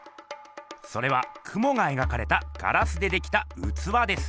それはクモが描かれたガラスでできたうつわです。